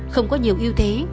không có nhiều yêu thế